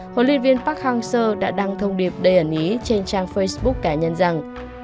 huấn luyện viên park hang seo đã đăng thông điệp đầy ẩn ý trên trang facebook cá nhân rằng